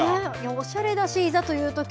おしゃれだし、いざというとき。